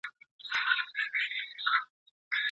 د شخړو حل د ښوونکي یو بل مهارت دی.